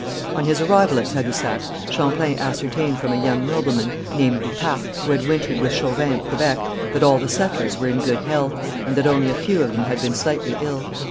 On his arrival at Tadousac, Champlain ascertained from a young nobleman, named du Parc, who had wintered with Chauvin at Quebec, that all the settlers were in good health, and that only a few of them had been slightly ill.